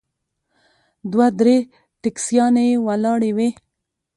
دوه درې ټیکسیانې ولاړې وې.